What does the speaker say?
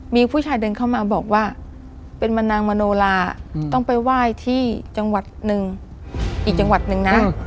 มีผู้ชายเดินเข้ามาบอกว่าเป็นมะนางมโนลาต้องไปไหว้ที่จังหวัดหนึ่งอีกจังหวัดหนึ่งนะ